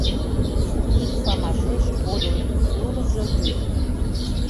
Ик памашеш кодын урзо вӱд.